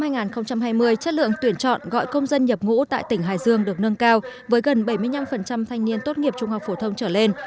năm hai nghìn hai mươi chất lượng tuyển chọn gọi công dân nhập ngũ tại tỉnh hải dương được nâng cao với gần bảy mươi năm thanh niên tốt nghiệp trung học phổ thông trở lên